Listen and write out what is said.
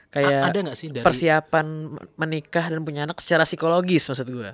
kayak persiapan menikah dan punya anak secara psikologis maksud gue